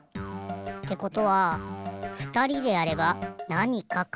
ってことはふたりでやればなにかかけるかも。